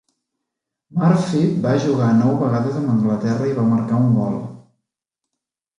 Murphy va jugar nou vegades amb Anglaterra i va marcar un gol.